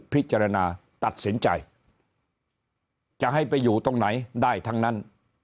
พิจารณาตัดสินใจจะให้ไปอยู่ตรงไหนได้ทั้งนั้น